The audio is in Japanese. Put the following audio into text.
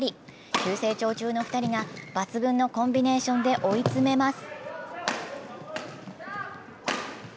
急成長中の２人が抜群のコンビネーションで追い詰めます。